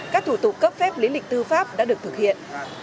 các thủ tục cấp phép lý lịch tư pháp đã được thực hiện